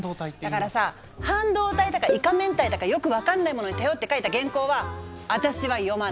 だからさ半導体だかイカめんたいだかよく分かんないものに頼って描いた原稿は私は読まない！